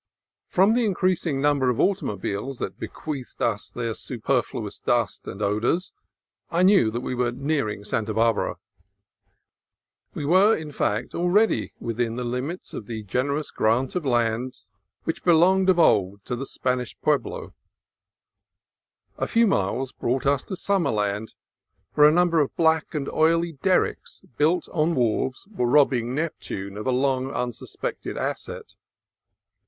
From the increasing number of automobiles that bequeathed us their superfluous dust and odors, I knew that we were nearing Santa Barbara. We were, in fact, already within the limits of the gener ous grant of lands which belonged of old to the Span ish pueblo. A few miles brought us to Summerland, where a number of black and oily derricks built on wharves are robbing Neptune of a long unsuspected asset.